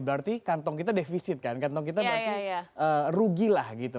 berarti kantong kita defisit kantong kita berarti rugi lah gitu